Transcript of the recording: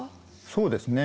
そうですね。